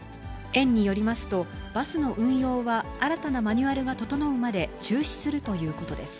園によりますと、バスの運用は新たなマニュアルが整うまで中止するということです。